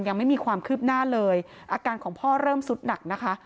ยังไม่มีความคืบหน้าเลยอาการของพ่อเริ่มสุดหนักนะคะ